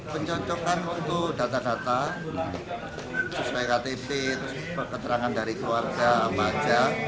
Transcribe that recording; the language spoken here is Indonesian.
penconcokan untuk data data sesuai ktp terus peterangan dari keluarga apa aja